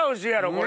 これ。